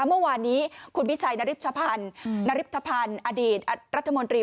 เมื่อวานนี้คุณวิชัยนริชพันธ์นริปธภัณฑ์อดีตรัฐมนตรี